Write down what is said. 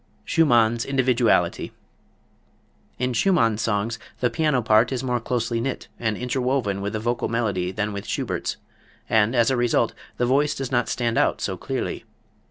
Schumann's Individuality. In Schumann's songs the piano part is more closely knit and interwoven with the vocal melody than with Schubert's, and, as a result, the voice does not stand out so clearly.